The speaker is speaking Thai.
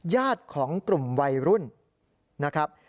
ญาติของกลุ่มวัยรุ่นนะครับ